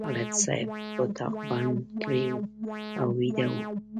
خالد صاحب اتاق بند کړی او ویده و.